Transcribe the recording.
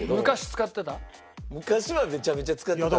昔はめちゃめちゃ使ってた。